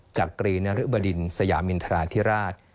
จักรีนริบดินสยามินทราธิราช